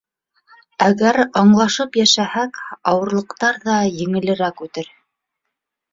Әгәр аңлашып йәшәһәк, ауырлыҡтар ҙа еңелерәк үтер.